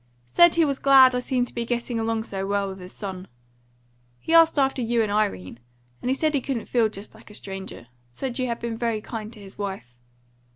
Said he was glad I seemed to be getting along so well with his son. He asked after you and Irene; and he said he couldn't feel just like a stranger. Said you had been very kind to his wife.